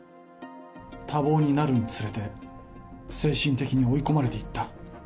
多忙になるにつれて、精神的に追い込まれていった。